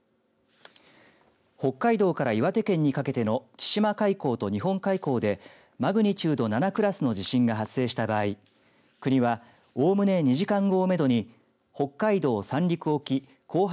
北海道から岩手県にかけての千島海溝と日本海溝でマグニチュード７クラスの地震が発生した場合国は、おおむね２時間後をめどに北海道・三陸沖後発